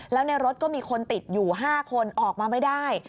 แล้วในรถก็มีคนติดอยู่๕คนออกมาไม่ได้